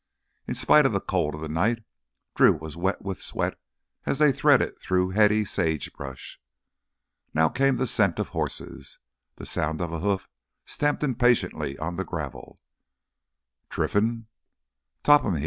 In spite of the cold of the night, Drew was wet with sweat as they threaded through heady sage brush. Now came the scent of horses, the sound of a hoof stamped impatiently on gravel. "Trinfan?" Topham!